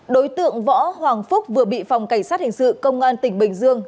đối tượng võ hoàng phúc vừa bị phòng cảnh sát hình sự công an tỉnh bình dương